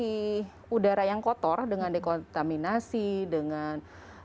di udara yang kotor dengan dekontaminasi dengan